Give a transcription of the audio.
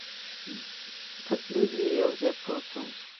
پتلون یې یو ځای پروت و.